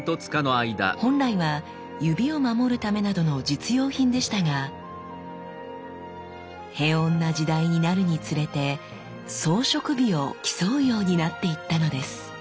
本来は指を守るためなどの実用品でしたが平穏な時代になるにつれて装飾美を競うようになっていったのです。